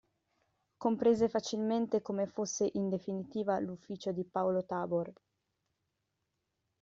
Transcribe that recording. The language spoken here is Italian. Comprese facilmente come fosse in definitiva l'ufficio di Paolo Tabor.